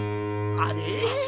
あれ？